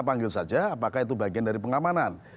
panggil saja apakah itu bagian dari pengamanan